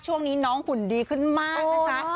ช่วงนี้น้องหุ่นดีขึ้นมากนะจ๊ะ